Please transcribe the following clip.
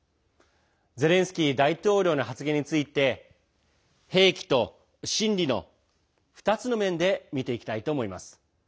ゼレンスキー大統領の発言について兵器と心理の、２つの面で見ていきたいと思います。